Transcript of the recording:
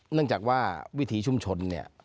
เนื่องจากว่าวิถีชุมชนเนี่ย